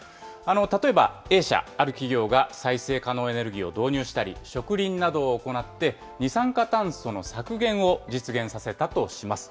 例えばＡ社、ある企業が再生可能エネルギーを導入したり、植林などを行って二酸化炭素の削減を実現させたとします。